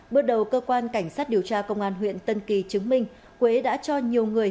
bước đầu cơ quan cảnh sát điều tra công an huyện tân kỳ chứng minh quế đã cho nhiều người